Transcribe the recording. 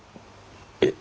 えっ？